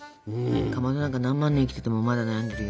かまどなんか何万年生きててもまだ悩んでるよ。